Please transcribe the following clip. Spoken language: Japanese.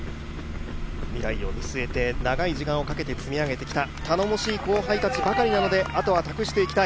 未来を見据えて長い時間をかけて積み上げてきた頼もしい後輩たちばかりなのであとは託していきたい。